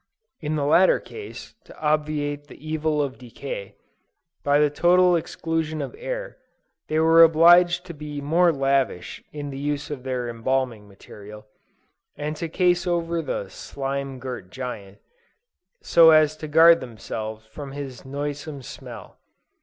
In the latter case, to obviate the evil of decay, by the total exclusion of air, they were obliged to be more lavish in the use of their embalming material, and to case over the "slime girt giant" so as to guard themselves from his noisome smell.